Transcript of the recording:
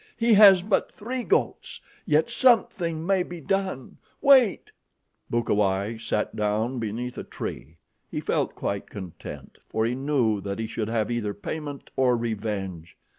He has but three goats, yet something may be done. Wait!" Bukawai sat down beneath a tree. He felt quite content, for he knew that he should have either payment or revenge.